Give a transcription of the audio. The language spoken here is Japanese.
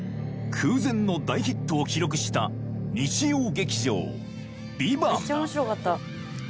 空前の大ヒットを記録した日曜劇場「ＶＩＶＡＮＴ」